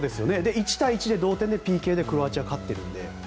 １対１で同点で、ＰＫでクロアチアが勝っているので。